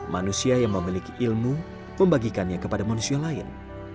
manusia yang memiliki ilmu membagikannya kepada manusia lain